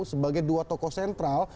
sebagai dua tokoh sentral